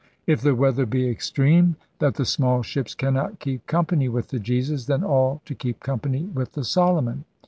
... If the weather be extreme, that the small ships cannot keep company with the Jesus, then all to keep company with the Solomon.